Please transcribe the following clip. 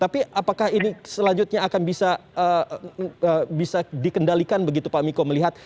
tapi apakah ini selanjutnya akan bisa dikendalikan begitu pak miko melihat